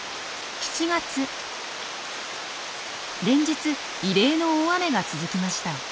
連日異例の大雨が続きました。